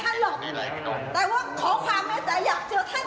แต่ว่าขอความแม่ใจอยากเจอเท่าไหร่มานานแล้ว